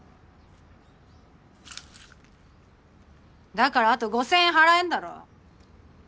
だからあと５０００円払えんだろ！